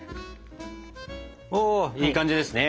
いい感じですね。